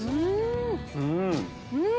うん！